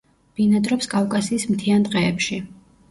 ბინადრობს კავკასიის მთიან ტყეებში.